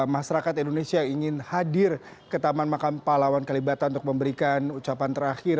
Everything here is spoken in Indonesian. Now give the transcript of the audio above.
masyarakat indonesia yang ingin hadir ke taman makam palawan kalibata untuk memberikan ucapan terakhir